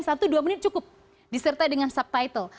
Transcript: satu dua menit cukup disertai dengan subtitle